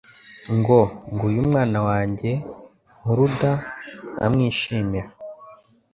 ngo « Nguyu Umwana wanjye nkuruda nkamwishimira ».